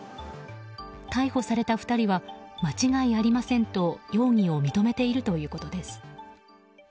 逮捕された２人は間違いありませんと容疑を認めているということです。